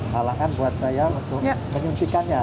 halangan buat saya untuk menyuntikannya